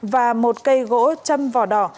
và một cây gỗ châm vỏ đỏ